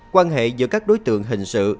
quan hệ giữa các đối tượng hình sự